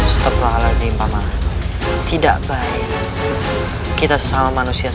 setelah lazim pamah tidak baik kita sesama manusia